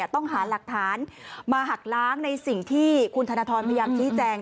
ต้องหาหลักฐานมาหักล้างในสิ่งที่คุณธนทรพยายามชี้แจง